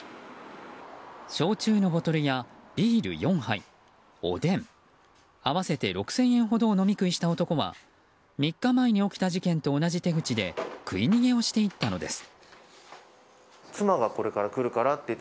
焼酎のボトルやビール４杯おでん合わせて６０００円ほどを飲み食いした男は３日前に起きた事件と同じ手口で食い逃げをしていったのです。